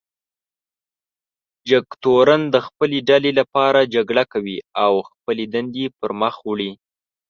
جګتورن د خپلې ډلې لپاره جګړه کوي او خپلې دندې پر مخ وړي.